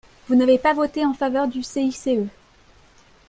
Vous n’avez pas voté en faveur du CICE